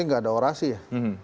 nggak ada orasi ya